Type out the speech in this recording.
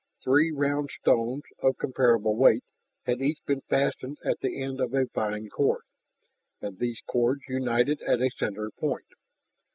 Three round stones of comparable weight had each been fastened at the end of a vine cord, and those cords united at a center point.